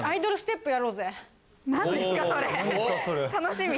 楽しみ。